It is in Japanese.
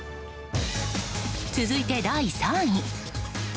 続いて、第３位。